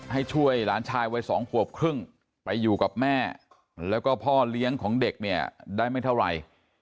ให้ช่วยหลานชายวัย๒ขวบครึ่งไปอยู่กับแม่แล้วก็พ่อเลี้ยงของเด็กเนี่ยได้ไม่เท่าไหร่